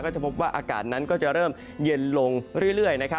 จะพบว่าอากาศนั้นก็จะเริ่มเย็นลงเรื่อย